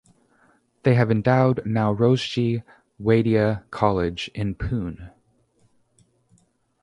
They have endowed Nowrosjee Wadia College in Pune.